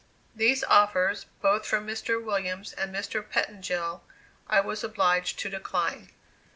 These offers, both from Mr. Williams and Mr. Pettengill, I was obliged to decline.